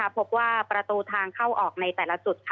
พบว่าประตูทางเข้าออกในแต่ละจุด